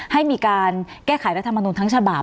ให้มีการแก้ไขรัฐมนุนทั้งฉบับ